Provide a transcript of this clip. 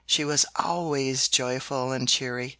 She was always joyful and cheery.